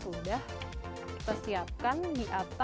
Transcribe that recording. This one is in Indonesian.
oh kayak gitu